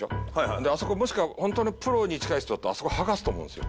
であそこもしくはホントのプロに近い人だったらあそこ剥がすと思うんすよ。